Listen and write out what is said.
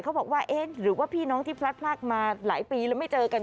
เขาบอกว่าเอ๊ะหรือว่าพี่น้องที่พลัดพลากมาหลายปีแล้วไม่เจอกัน